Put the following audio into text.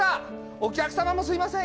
お客様もすいません